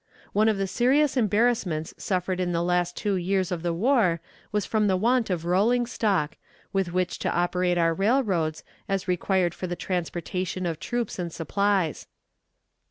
One of the serious embarrassments suffered in the last two years of the war was from the want of rolling stock, with which to operate our railroads, as required for the transportation of troops and supplies.